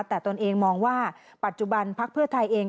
แต่ตนเองมองว่าปัจจุบันพักเพื่อไทยเอง